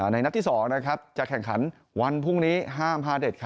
นัดที่๒จะแข่งขันวันพรุ่งนี้ห้ามพาเด็ด